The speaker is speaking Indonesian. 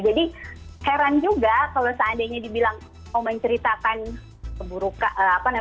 jadi heran juga kalau seandainya dibilang mau menceritakan kesedihannya menyentuh perasaan